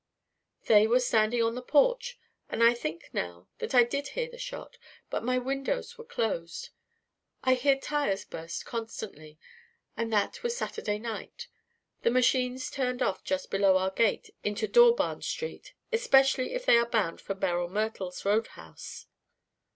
"They were standing on the porch, and I think now that I did hear the shot. But my windows were closed. I hear tires burst constantly. And that was Saturday night. The machines turn off just below our gate into Dawbarn Street, especially if they are bound for Beryl Myrtle's road house."